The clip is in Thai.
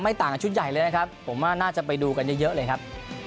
ต่างกับชุดใหญ่เลยนะครับผมว่าน่าจะไปดูกันเยอะเลยครับ